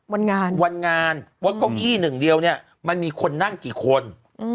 วันงานวันงานว่าเก้าอี้หนึ่งเดียวเนี่ยมันมีคนนั่งกี่คน